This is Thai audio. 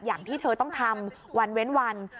อย่างที่เธอต้องทำวันเว้นวัน